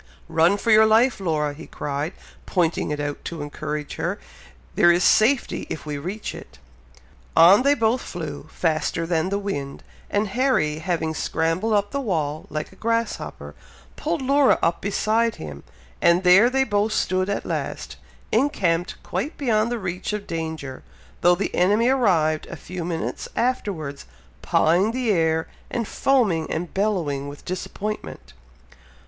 "Run for your life, Laura!" he cried, pointing it out, to encourage her. "There is safety, if we reach it." On they both flew, faster than the wind, and Harry having scrambled up the wall, like a grasshopper, pulled Laura up beside him, and there they both stood at last, encamped quite beyond the reach of danger, though the enemy arrived a few minutes afterwards, pawing the air, and foaming and bellowing with disappointment.